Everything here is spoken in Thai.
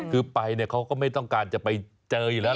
คือไปเนี่ยเขาก็ไม่ต้องการจะไปเจออยู่แล้ว